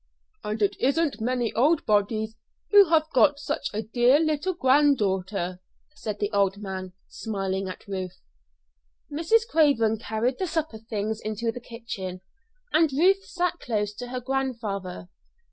"And it isn't many old bodies who have got such a dear little granddaughter," said the old man, smiling at Ruth. Mrs. Craven carried the supper things into the kitchen, and Ruth sat close to her grandfather.